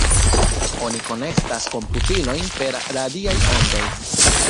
Oni konektas komputilojn per radiaj ondoj.